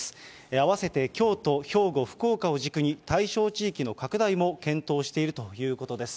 合わせて京都、兵庫、福岡を軸に、対象地域の拡大も検討しているということです。